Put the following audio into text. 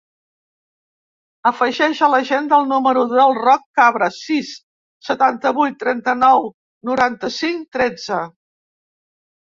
Afegeix a l'agenda el número del Roc Cabra: sis, setanta-vuit, trenta-nou, noranta-cinc, tretze.